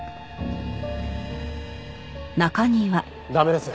駄目です。